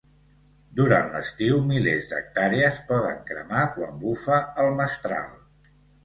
Durant l'estiu, milers d'hectàrees poden cremar quan bufa el mestral.